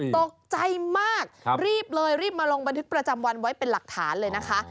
ตกใจมากรีบเลยรีบมาลงบันทึกประจำวันไว้เป็นหลักฐานเลยนะคะ